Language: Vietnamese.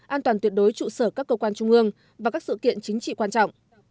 an toàn tuyệt đối trụ sở các cơ quan trung ương và các sự kiện chính trị quan trọng